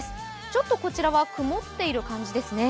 ちょっとこちらは曇っている感じですね。